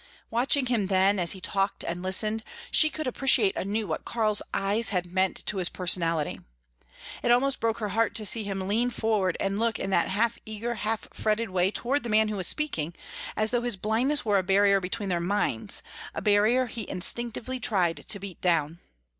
Watching him then, as he talked and listened, she could appreciate anew what Karl's eyes had meant to his personality. It almost broke her heart to see him lean forward and look in that half eager, half fretted way toward the man who was speaking, as though his blindness were a barrier between their minds, a barrier he instinctively tried to beat down.